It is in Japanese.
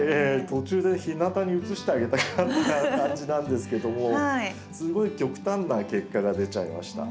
途中で日なたに移してあげたくなった感じなんですけどもすごい極端な結果が出ちゃいました。